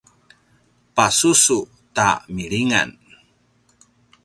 pasusu ta milingan